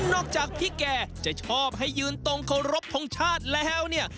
จากพี่แกจะชอบให้ยืนตรงเคารพทงชาติแล้วเนี่ย